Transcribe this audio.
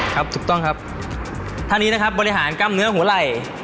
ถูกต้องครับท่านนี้นะครับบริหารกล้ามเนื้อหัวไหล่